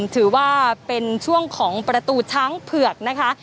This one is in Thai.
ถือว่าเป็นช่วงของประตูช้างเผือกนะคะ